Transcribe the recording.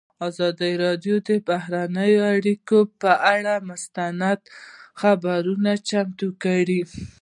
ازادي راډیو د بهرنۍ اړیکې پر اړه مستند خپرونه چمتو کړې.